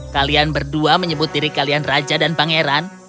kalian berdua menyebut diri kalian raja dan pangeran